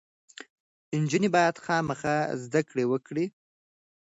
نجونې باید خامخا زده کړې وکړي.